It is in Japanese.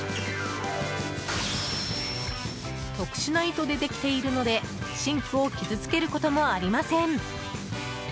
特殊な糸でできているのでシンクを傷つけることもありません。